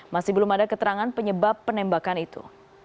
masih belum ada keterangan penyebab penembakan itu